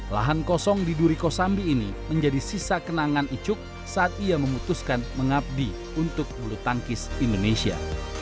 lahan kosong di duri kosambi ini menjadi sisa kenangan icuk saat ia memutuskan mengabdi untuk belutangkis indonesia